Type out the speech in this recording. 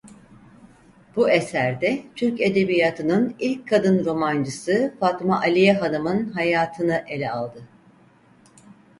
Bu eserde Türk edebiyatının ilk kadın romancısı Fatma Aliye Hanım'ın hayatını ele aldı.